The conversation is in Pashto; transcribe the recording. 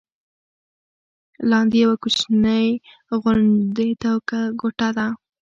لاندې یوه کوچنۍ غوندې کوټه ده.